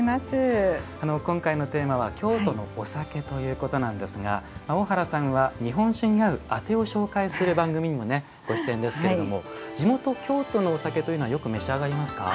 今回のテーマは「京都のお酒」ということなんですが大原さんは日本酒に合うアテを紹介する番組にもねご出演ですけれども地元京都のお酒というのはよく召し上がりますか？